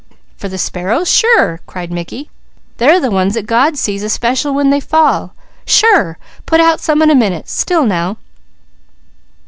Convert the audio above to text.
"For the sparrows? Sure!" cried Mickey. "They're the ones that God sees especial when they fall. Sure! Put out some in a minute. Still now!"